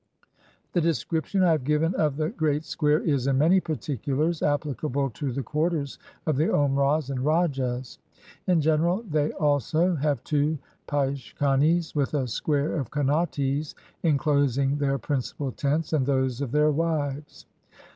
The description I have given of the great square is, in many particulars, applicable to the quarters of the Omrahs and Rajahs. In general they also have two peiche kanes, with a square of kanates inclosing their principal tents and those of their wives.